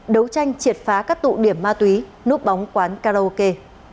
đấu tranh triệt phá các tụ điểm ma túy núp bóng quán karaoke